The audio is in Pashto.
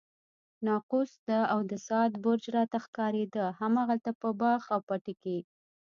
ناقوس او د ساعت برج راته ښکارېده، همالته په باغ او پټي کې.